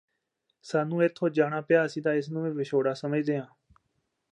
ਸਾਨੂੰ ਇਥੋਂ ਜਾਣਾ ਪਿਆ ਅਸੀਂ ਤਾਂ ਇਸ ਨੂੰ ਵੀ ਵਿਛੋੜਾ ਸਮਝਦੇ ਹਾਂ